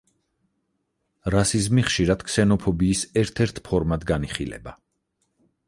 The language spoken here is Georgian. რასიზმი ხშირად ქსენოფობიის ერთ-ერთ ფორმად განიხილება.